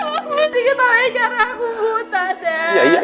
aku mau putih ketawa karena aku buta dad